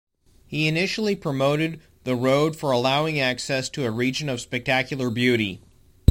He initially promoted the road for allowing access to a region of spectacular beauty.